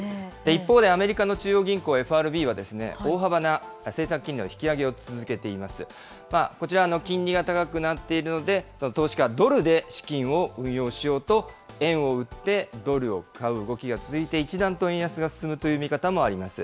一方で、アメリカの中央銀行・ＦＲＢは、大幅な政策金利の引き上げを続けています、こちら、金利が高くなっているので、投資家、ドルで資金を運用しようと、円を売ってドルを買う動きが続いて、一段と円安が進むという見方もあります。